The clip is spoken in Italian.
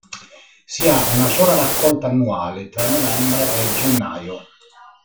Si ha una sola raccolta annuale tra novembre e gennaio.